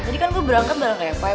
tadi kan gue berangkat baru gak ngepay